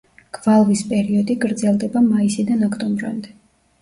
გვალვის პერიოდი გრძელდება მაისიდან ოქტომბრამდე.